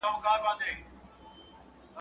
چي د بل مور بوره وې، ستا هغې به هم بوره سي.